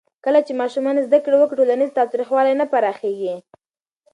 کله چې ماشومان زده کړه وکړي، ټولنیز تاوتریخوالی نه پراخېږي.